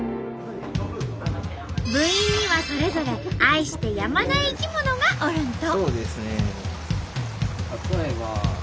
部員にはそれぞれ愛してやまない生き物がおるんと。